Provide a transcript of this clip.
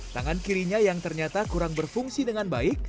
tangan kirinya yang ternyata kurang berfungsi dengan baik